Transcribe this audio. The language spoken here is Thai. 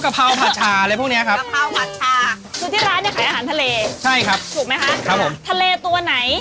ก็เป็นกั้งกับี่โชว์